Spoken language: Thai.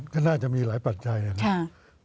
ก็น่าจะมีหลายปัจจัยนะครับ